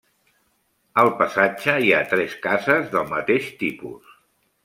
Al passatge hi ha tres cases del mateix tipus.